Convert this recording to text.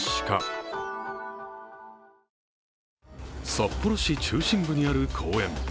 札幌市中心部にある公園。